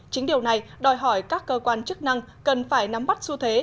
chính điều này đòi hỏi các cơ quan chức năng cần phải nắm bắt xu thế